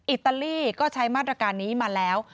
อิตาลีก็ใช้มาตรการนี้มาแล้ว